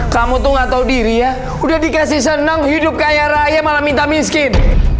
kamu tuh gak tahu diri ya udah dikasih senang hidup kaya raya malah minta miskin